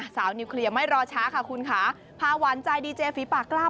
นิวเคลียร์ไม่รอช้าค่ะคุณค่ะพาหวานใจดีเจฝีปากกล้า